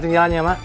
asing jalannya mah